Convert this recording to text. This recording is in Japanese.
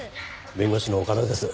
弁護士の岡田です。